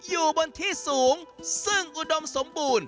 อยู่บนที่สูงซึ่งอุดมสมบูรณ์